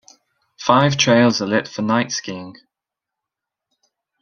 Five trails are lit for night skiing.